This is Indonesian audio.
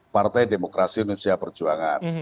partai demokrasi indonesia perjuangan